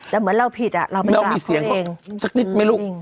แล้วเหมือนเล่าผิดอ่ะเรามันรักคนั่นเอง